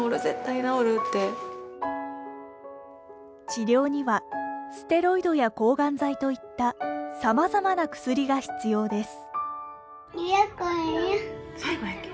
治療にはステロイドや抗がん剤といったさまざまな薬が必要です。